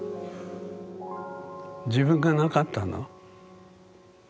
自分がなかったの？